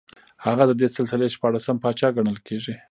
هغه د دې سلسلې شپاړسم پاچا ګڼل کېږي